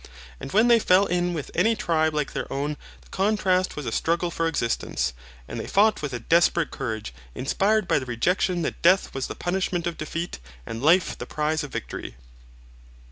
And when they fell in with any tribes like their own, the contest was a struggle for existence, and they fought with a desperate courage, inspired by the rejection that death was the punishment of defeat and life the prize of victory.